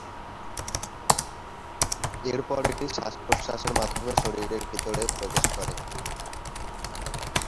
এরপর এটি শ্বাস-প্রশ্বাসের মাধ্যমে শরীরের ভিতরে প্রবেশ করে।